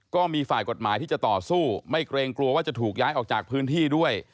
ก็มีฝ่ายกฎหมายที่จะต่อสู้ไม่เกรงกลัวว่าจะถูกย้ายออกจากพื้นที่ด้วย